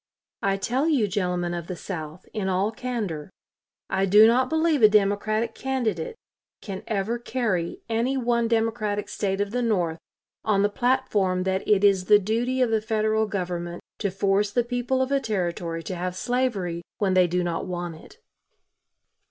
I tell you, gentlemen of the South, in all candor, I do not believe a Democratic candidate can ever carry any one Democratic State of the North on the platform that it is the duty of the Federal Government to force the people of a Territory to have slavery when they do not want it."